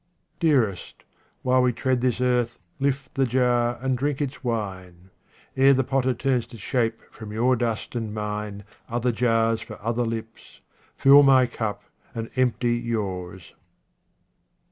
Dearest, while we tread this earth, lift the jar and drink its wine ; ere the potter turns to shape from your dust and mine other jars for other lips, fill my cup and empty yours.